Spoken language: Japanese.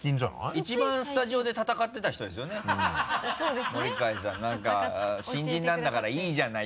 一番スタジオで戦ってた人ですよね？